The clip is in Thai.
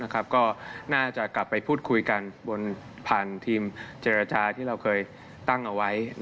ก็น่าจะกลับไปพูดคุยกันผ่านทีมเจรจาที่เราเคยตั้งเอาไว้